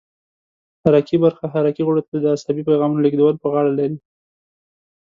حرکي برخه حرکي غړو ته د عصبي پیغامونو لېږدولو په غاړه لري.